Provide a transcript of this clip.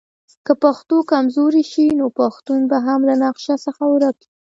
که پښتو کمزورې شي نو پښتون به هم له نقشه څخه ورک شي.